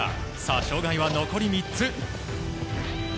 障害は残り３つ。